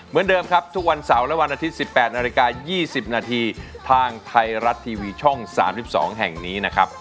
เหมือนเดิมครับทุกวันเสาร์และวันอาทิตย์๑๘นาฬิกา๒๐นาทีทางไทยรัฐทีวีช่อง๓๒แห่งนี้นะครับ